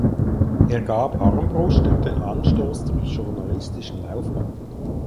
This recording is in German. Er gab Armbruster den Anstoß zur journalistischen Laufbahn.